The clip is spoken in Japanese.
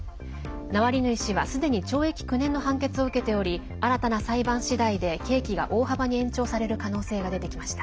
ナワリヌイ氏は詐欺などの罪ですでに懲役９年の判決を受けており新たな裁判次第で刑期が大幅に延長される可能性が出てきました。